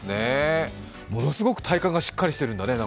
ものすごく体幹がしっかりしてるんだね。